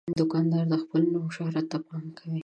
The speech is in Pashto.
دوکاندار د خپل نوم شهرت ته پام کوي.